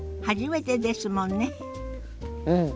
うん。